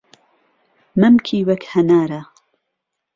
مهمکی وهک ههناره